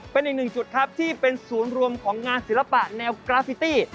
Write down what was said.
เป็นอีกหนึ่งจุดครับที่เป็นศูนย์รวมของงานศิลปะแนวกราฟิตี้